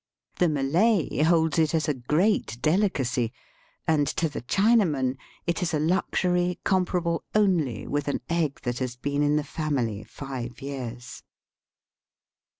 The Malay holds it as a great delicacy, and to the China man it is a luxury comparable only with an egg that has been in the family five years.